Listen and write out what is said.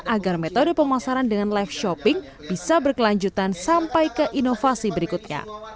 agar metode pemasaran dengan live shopping bisa berkelanjutan sampai ke inovasi berikutnya